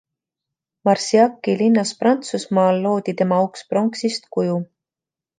Marciaci linnas Prantsusmaal loodi tema auks pronksist kuju.